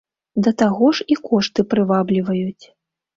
Да таго ж, і кошты прывабліваюць.